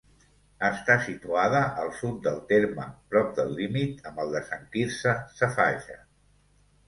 Està situada al sud del terme, prop del límit amb el de Sant Quirze Safaja.